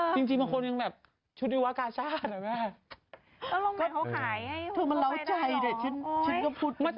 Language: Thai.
จริงมีคนยังแบบชุดิวากาชาติ